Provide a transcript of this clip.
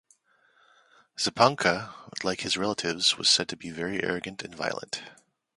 Zipacna, like his relatives, was said to be very arrogant and violent.